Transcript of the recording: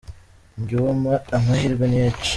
Njye uwo mpa amahirwe ni H.